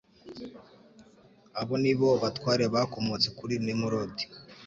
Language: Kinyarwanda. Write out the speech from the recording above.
abo ni bo batware bakomotse kuri nemulodi